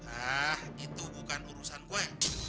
ah itu bukan urusan gue